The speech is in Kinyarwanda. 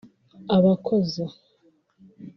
abakozi